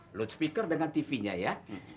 lounspeaker dengan tv nya ya